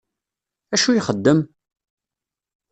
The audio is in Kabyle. Acu ixeddem?